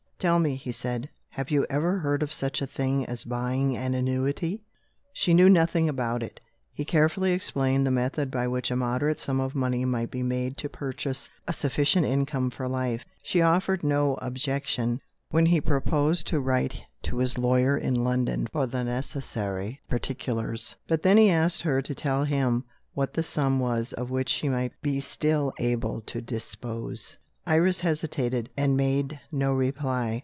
"Tell me," he said, "have you ever heard of such a thing as buying an annuity?" She knew nothing about it. He carefully explained the method by which a moderate sum of money might be made to purchase a sufficient income for life. She offered no objection, when he proposed to write to his lawyer in London for the necessary particulars. But when he asked her to tell him what the sum was of which she might be still able to dispose, Iris hesitated, and made no reply.